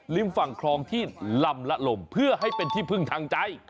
ฝั่งคลองที่ลำละลมเพื่อให้เป็นที่พึ่งทางใจ